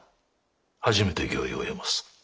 初めて御意を得ます。